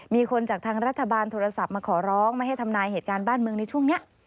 มีคนจากทางรัฐบาลโทรศัพท์มาขอร้องไม่ให้ทำนายเหตุการณ์บ้านเมืองในช่วงนี้